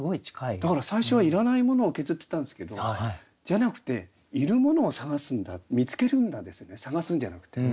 だから最初はいらないものを削ってたんですけどじゃなくているものを探すんだ見つけるんだですよね探すんじゃなくてね。